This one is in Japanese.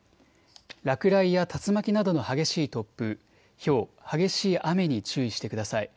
落雷や竜巻などの激しい突風、ひょう、激しい雨に注意してください。